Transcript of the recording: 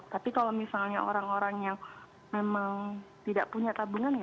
tapi kalau misalnya orang orang yang memang tidak punya tabungan ya